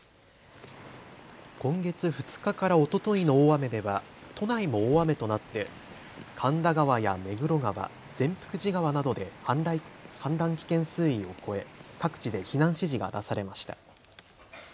今月２日からおとといの大雨では都内も大雨となって神田川や目黒川、善福寺川などで氾濫危険水位を超え各地で避難指示が出されました。